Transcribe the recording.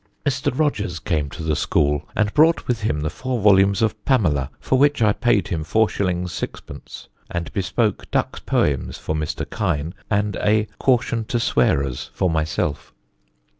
"Mr. Rogers came to the school, and brought with him the four volumes of Pamela, for which I paed him 4_s._ 6_d._, and bespoke Duck's Poems for Mr. Kine, and a Caution to Swearers for myself.